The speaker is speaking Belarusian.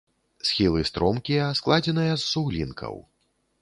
Схілы стромкія, складзеныя з суглінкаў.